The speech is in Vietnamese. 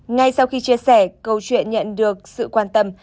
ngay sau khi chia sẻ câu chuyện nhận được sự quan tâm